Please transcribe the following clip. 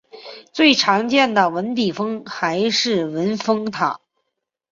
最常见的文笔峰还是文峰塔。